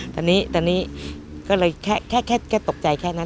ตอนนี้ก็เลยแค่ตกใจแค่นั้น